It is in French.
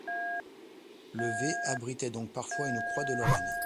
Le V abritait donc parfois une croix de Lorraine.